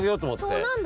そうなんだ。